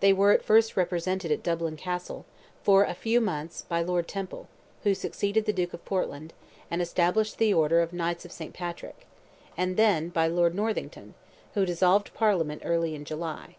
They were at first represented at Dublin Castle, for a few months, by Lord Temple, who succeeded the Duke of Portland, and established the order of Knights of Saint Patrick; then by Lord Northington, who dissolved Parliament early in July.